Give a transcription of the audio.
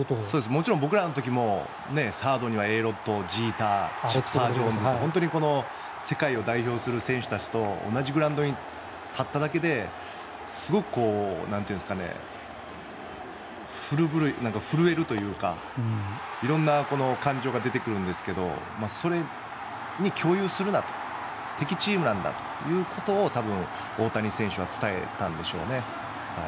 もちろん僕らの時もサードにはＡ・ロッドジーターなど本当に世界を代表する選手たちと同じグラウンドに立っただけですごく、なんというんですかね震えるというか色んな感情が出てくるんですがそれに共有するなと敵チームなんだということを大谷選手は伝えたんでしょうね。